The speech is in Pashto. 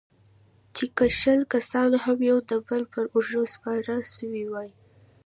چې که شل کسان هم يو د بل پر اوږو سپاره سوي واى.